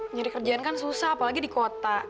nyari kerjaan kan susah apalagi di kota